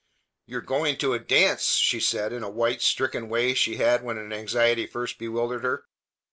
"You are going to a dance!" she said in a white, stricken way she had when an anxiety first bewildered her.